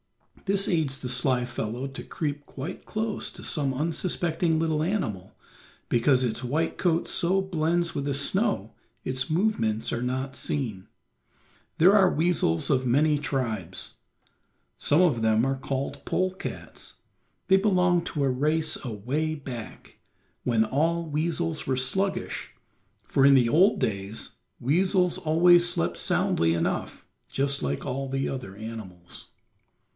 This aids the sly fellow to creep quite close to some unsuspecting little animal, because its white coat so blends with the snow its movements are not seen. There are weasels of many tribes; some of them are called pole cats. They belong to a race away back, when all weasels were sluggish, for in the old days weasels always slept soundly enough, just like all other animals.